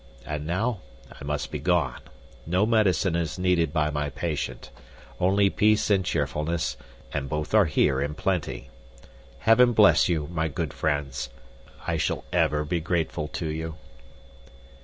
And now I must be gone. No medicine is needed by my patient, only peace and cheerfulness, and both are here in plenty. Heaven bless you, my good friends! I shall ever be grateful to you."